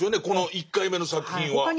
この１回目の作品は。